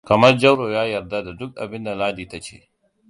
Kamar Jauro ya yarda da duk abinda Ladi ta ce.